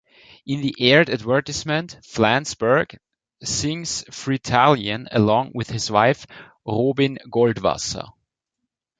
In the aired advertisement, Flansburgh sings "Fritalian" along with his wife, Robin Goldwasser.